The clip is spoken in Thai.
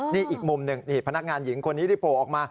นี่อีกมุมหนึ่งนี่พนักงานหญิงคนนี้ที่โผล่ออกมา